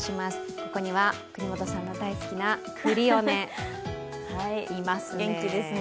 ここには國本さんの大好きなクリオネ、いますね。